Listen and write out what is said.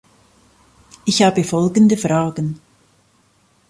Ich habe folgende Fragen.